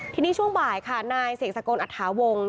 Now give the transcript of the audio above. ทีนี้ช่วงบ่ายค่ะนายเสกสกลอัฐาวงศ